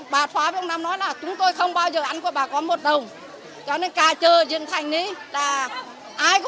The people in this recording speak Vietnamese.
bà xoa với ông năm nói là chúng tôi không bao giờ ăn của bà có một đồng cho nên cả chờ diện thành này